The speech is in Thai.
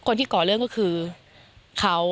ก่อเรื่องก็คือเขา